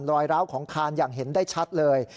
ร้าวของคานอย่างเห็นได้ชัดเลย